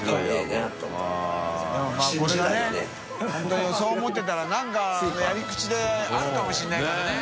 本当にそう思ってたら覆鵑やり口であるかもしれないからね。